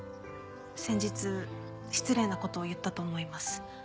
先日失礼な事を言ったと思います。